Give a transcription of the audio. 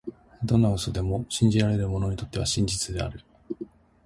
どんな嘘でも、信じられる者にとっては真実である。